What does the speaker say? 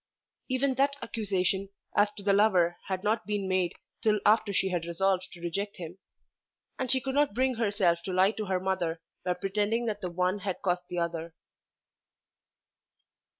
Even that accusation as to the lover had not been made till after she had resolved to reject him; and she could not bring herself to lie to her mother by pretending that the one had caused the other.